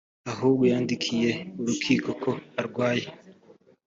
ahubwo yandikiye urukiko ko arwaye